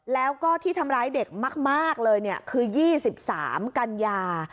แล้วก็ที่ทำร้ายเด็กมากเลยคือ๒๓กันยา